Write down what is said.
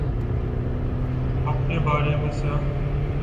اپنے بارے میں سب